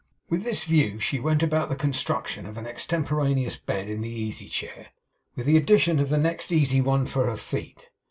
With this view, she went about the construction of an extemporaneous bed in the easy chair, with the addition of the next easy one for her feet.